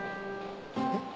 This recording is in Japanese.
えっ？